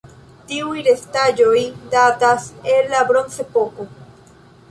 Tiuj restaĵoj datas el la Bronzepoko.